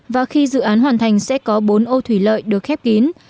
và khi dự án hoàn thành sẽ có bốn ô thủy lợi được khép kín